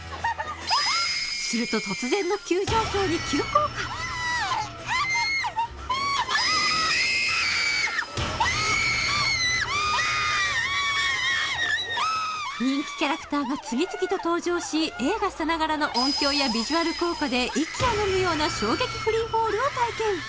すると突然の急上昇に急降下無理無理無理無理人気キャラクターが次々と登場し映画さながらの音響やビジュアル効果で息をのむような衝撃フリーフォールを体験